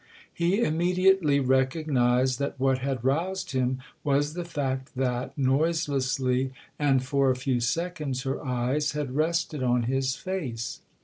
He immediately recognised that what had roused him was the fact that, noise lessly and for a few seconds, her eyes had rested on his face.